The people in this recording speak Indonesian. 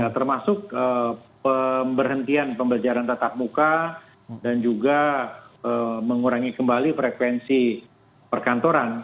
termasuk pemberhentian pembelajaran tatap muka dan juga mengurangi kembali frekuensi perkantoran